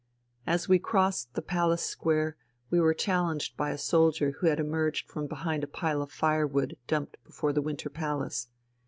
As we crossed the Palace Square we were challenged by a soldier who had emerged from behind a pile of firewood dumped before the Winter Palace.